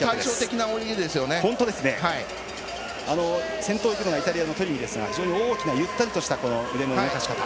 先頭をいくのがイタリアのトリミですがゆったりとした腕の動かし方。